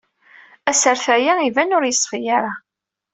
Asertay-a iban ur yeṣfi ara.